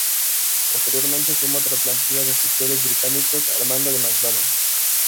Posteriormente suma otra plantilla de oficiales británicos al mando de MacDonald.